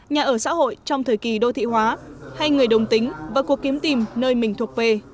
nhà ở xã hội trong thời kỳ đô thị hóa hay người đồng tính và cuộc kiếm tìm nơi mình thuộc về